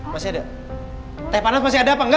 masih ada teh panas masih ada apa enggak